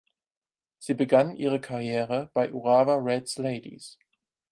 Sie begann ihre Karriere bei Urawa Reds Ladies.